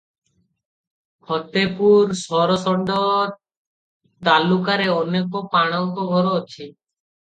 ଫତେପୁର ସରଷଣ୍ତ ତାଲୁକାରେ ଅନେକ ପାଣଙ୍କ ଘର ଅଛି ।